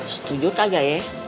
setuju kagak ya